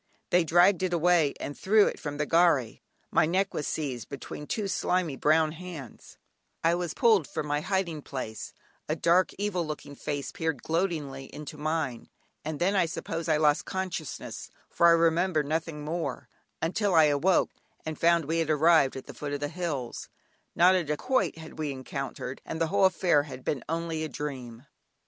They dragged it away, and threw it from the gharry. My neck was seized between two slimy brown hands, I was pulled from my hiding place, a dark evil looking face peered gloatingly into mine, and then I suppose I lost consciousness, for I remember nothing more until I awoke, and found we had arrived at the foot of the hills; not a dacoit had we encountered, and the whole affair had been only a dream.